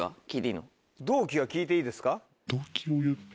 同期は聞いていいですか？